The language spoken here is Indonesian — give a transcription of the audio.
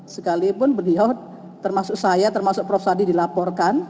sekalipun beliau termasuk saya termasuk prof sadi dilaporkan